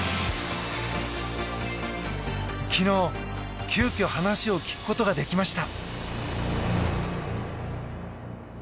昨日、急きょ話を聞くことができました。